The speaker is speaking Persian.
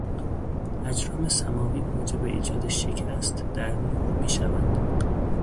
اجرام سماوی موجب ایجاد شکست در نور میشوند.